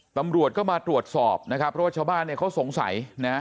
ตำรวจก็มาตรวจสอบเพราะว่าชาวบ้านเขาสงสัย